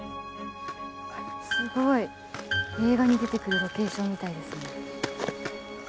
すごい映画に出てくるロケーションみたいですね。